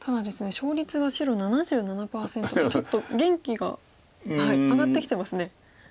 勝率が白７７％とちょっと元気が上がってきてますね。